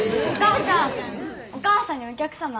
お母さんにお客さま。